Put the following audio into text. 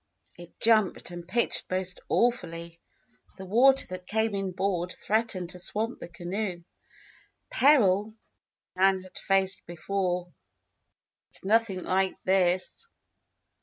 It jumped and pitched most awfully. The water that came inboard threatened to swamp the canoe. Peril, Nan had faced before; but nothing like this.